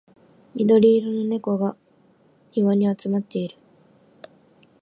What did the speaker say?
緑色の猫が庭に集まっている